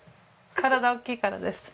体おっきいからです。